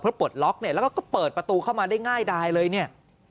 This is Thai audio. เพื่อปลดล็อกแล้วก็เปิดประตูเข้ามาได้ง่ายได้เลย